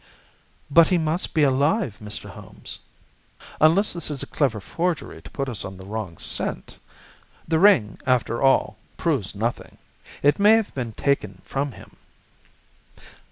"But he must be alive, Mr. Holmes." "Unless this is a clever forgery to put us on the wrong scent. The ring, after all, proves nothing. It may have been taken from him."